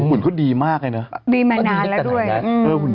หุ่นเค้าดีมากเลยเนี่ย